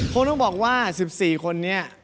คงต้องบอกว่า๑๔คนนี้